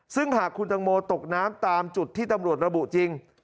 ซึ่งหากคุณตังโมตกน้ำตามจุดที่ตำรวจระบุจริง